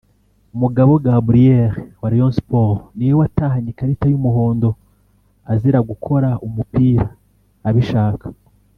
Mugabo Gabriel wa Rayon Sports ni we watahanye ikarita y’umuhondo azira gukora umupira abishaka